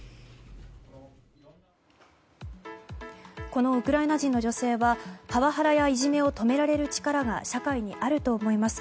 このウクライナ人の女性はパワハラやいじめを止められる力が社会にあると思います。